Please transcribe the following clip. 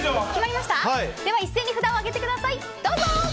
一斉に札を上げてください。